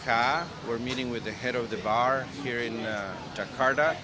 kami bertemu dengan ketua bar di jakarta